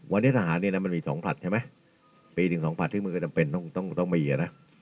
วันนี้ทหารเนี่ยนะมันมี๒ผลัดใช่ไหมปีหนึ่งสองผลัดที่มันก็จำเป็นต้องต้องมีอ่ะนะ